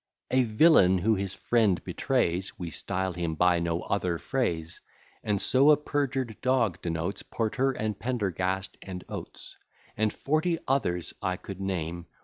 A villain who his friend betrays, We style him by no other phrase; And so a perjured dog denotes Porter, and Pendergast, and Oates, And forty others I could name.